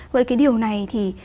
vậy cái điều này thì